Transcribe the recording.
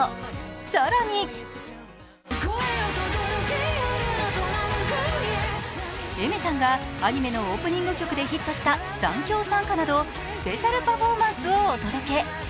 更にＡｉｍｅｒさんがアニメのオープニング曲でヒットした「残響散歌」などスペシャルパフォーマンスをお届け。